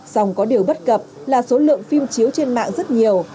song có điều bất cập là số lượng phim chiếu trên mạng rất nhiều